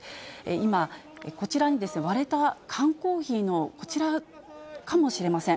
今、こちら、割れた缶コーヒーの、こちらかもしれません。